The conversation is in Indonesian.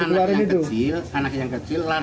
ternyata tersangka berusaha melarikan diri